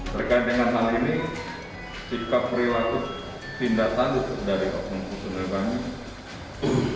berkait dengan hal ini sikap perilaku tindakan dari oknum polisi tersebut